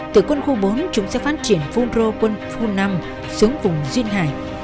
từ quân khu bốn chúng sẽ phát triển phunro quân phun năm xuống vùng duyên hải